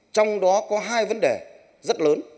trong đó có hai vấn đề rất lớn